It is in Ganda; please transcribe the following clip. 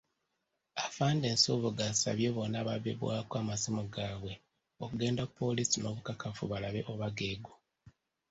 Afande Nsubuga asabye bonna ababbibwako amasimu gaabwe okugenda ku poliisi n'obukakafu balabe oba geego.